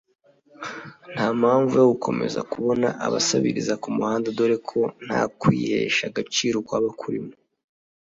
nta mpamvu yo gukomeza kubona abasabiriza ku muhanda dore ko nta kwihesha agaciro kwaba kurimo